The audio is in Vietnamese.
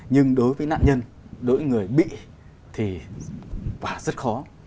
nhưng đối với nạn nhân đối với người bị thì và rất khó